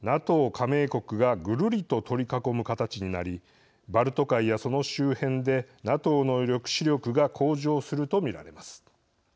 加盟国がぐるりと取り囲む形になりバルト海やその周辺でＮＡＴＯの抑止力が向上すると見られます。